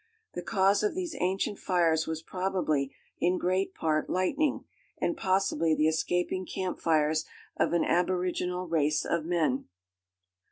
The cause of these ancient fires was probably, in great part, lightning, and possibly the escaping camp fires of an aboriginal race of men.